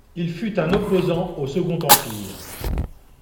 Il fut un opposant au Second Empire.